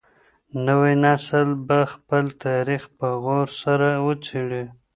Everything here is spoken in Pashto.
نوی نسل به خپل تاريخ په غور سره وڅېړي.